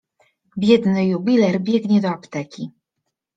Biedny jubiler biegnie do apteki.